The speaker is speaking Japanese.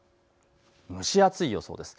蒸し暑い予想です。